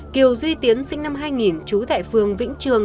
kiều duy tiến sinh năm hai nghìn trú tại phường vĩnh trường